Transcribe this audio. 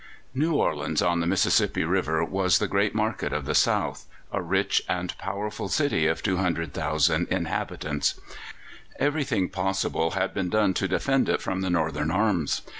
New Orleans, on the Mississippi River, was the great market of the South, a rich and powerful city of 200,000 inhabitants. Everything possible had been done to defend it from the Northern arms.